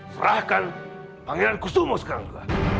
serahkan pangeran kusumo sekarang